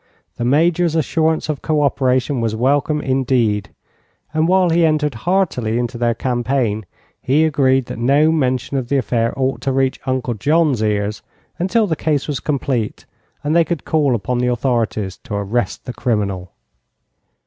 The Major's assurance of co operation was welcome indeed, and while he entered heartily into their campaign he agreed that no mention of the affair ought to reach Uncle John's ears until the case was complete and they could call upon the authorities to arrest the criminal.